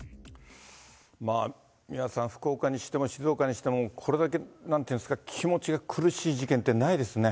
まあ、三輪さん、福岡にしても静岡にしても、これだけなんていうんですか、気持ちが苦しい事件ってないですね。